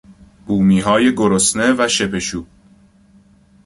بومیهای گرسنه و شپشو